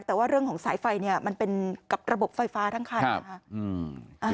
แต่ว่าเรื่องของสายไฟมันเป็นกับระบบไฟฟ้าทั้งคลาย